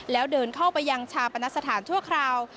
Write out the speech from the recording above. แล้วเดินเข้าไปยังชาปนสถานชั่วคราว